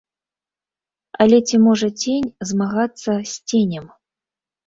Але ці можа цень змагацца з ценем?